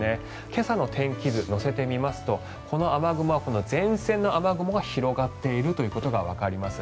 今朝の天気図乗せてみますとこの雨雲は前線の雨雲が広がっているということがわかります。